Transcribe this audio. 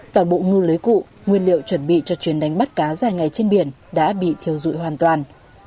toàn bộ ngư lưới cụ nguyên liệu chuẩn bị cho chuyến đánh bắt cá dài ngày trên biển đã bị thiêu dụi hoàn toàn